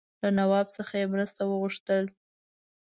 له نواب څخه یې مرسته وغوښتل.